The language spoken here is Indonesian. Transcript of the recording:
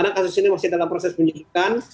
karena kasus ini masih dalam proses penyelidikan